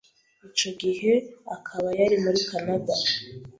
ico gihe akaba yari muri Canada.